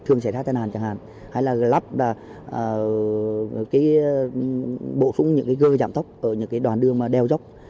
thường xảy ra tai nạn chẳng hạn hay là lắp bổ sung những gơ chạm tốc ở đoạn đường đều dốc